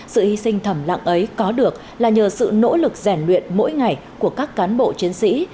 sự hy sinh thầm lặng ấy có được là nhờ sự nỗ lực rèn luyện mỗi ngày của các cán bộ chiến sĩ